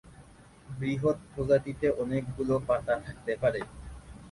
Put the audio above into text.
বৃহৎ প্রজাতিতে অনেকগুলো পাতা থাকতে পারে।